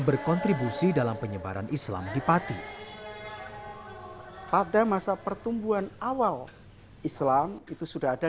berkontribusi dalam penyebaran islam di pati pada masa pertumbuhan awal islam itu sudah ada